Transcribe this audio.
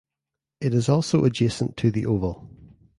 It is also adjacent to the oval.